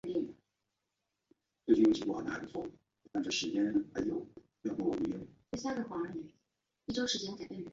现任董事长为温世仁长子温泰钧。